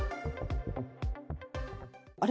あれ？